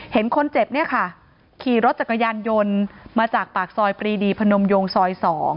เห็นคนเจ็บเนี่ยค่ะขี่รถจักรยานยนต์มาจากปากซอยปรีดีพนมโยงซอย๒